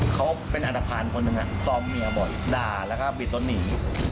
เขาเป็นอันตภัณฑ์คนหนึ่งซ้อมเมียบ่อยด่าแล้วก็บิดรถหนี